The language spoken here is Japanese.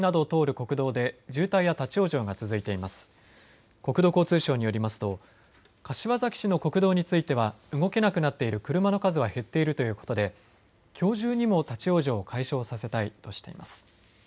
国土交通省によりますと柏崎市の国道については動けなくなっている車の数は減っているということできょう中にも立往生を解消させたいとしています。